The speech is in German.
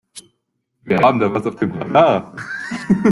Wir haben da was auf dem Radar.